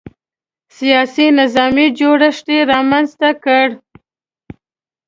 سیاسي نظامي جوړښت یې رامنځته کړی.